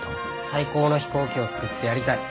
最高の飛行機を作ってやりたい。